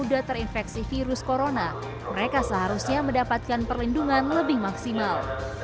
dari virus corona mereka seharusnya mendapatkan perlindungan lebih maksimal